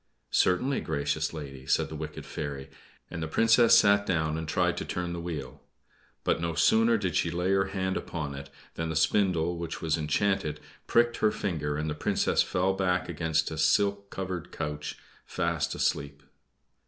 "Certainly, gracious lady," said the wicked fairy, and the Princess sat down and tried to turn the wheel. But no sooner did she lay her hand upon it than the spindle, which was enchanted, pricked her finger, and the Princess fell back against a silk covered couch fast asleep.